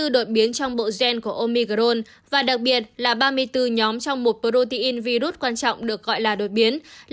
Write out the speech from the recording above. năm mươi bốn đột biến trong bộ gen của omicron và đặc biệt là ba mươi bốn nhóm trong một protein virus quan trọng được gọi là đột biến